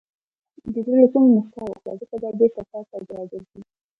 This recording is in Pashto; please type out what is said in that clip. • د زړه له کومې موسکا وکړه، ځکه دا بېرته تا ته راګرځي.